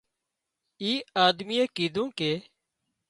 اي آۮميئي ڪيڌون ڪي